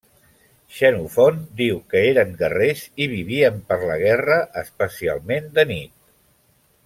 Xenofont diu que eren guerrers i vivien per la guerra, especialment de nit.